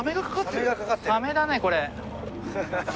サメだねこれ。